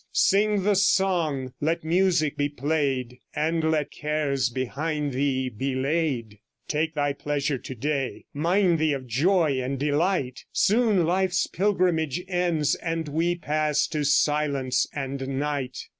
Sing the song, let music be played, And let cares behind thee be laid. Take thy pleasure to day; Mind thee of joy and delight! Soon life's pilgrimage ends, And we pass to silence and night.